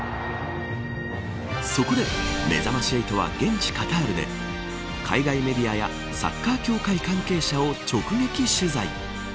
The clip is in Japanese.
そこでめざまし８は現地カタールで海外メディアやサッカー協会関係者を直撃取材。